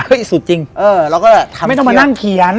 เฮ้ยสุดจริงไม่ต้องมานั่งเขียน